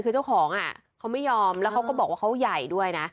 คือเจ้าของเขาไม่ยอมแล้วเขาก็บอกว่าเขาใหญ่ด้วยนะ